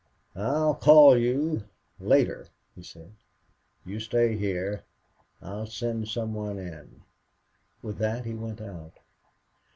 "I'll call you later," he said. "You stay here. I'll send some one in." With that he went out.